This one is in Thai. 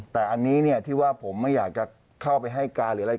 แต่อันนี้ที่ว่าผมไม่อยากจะเข้าไปให้การอะไร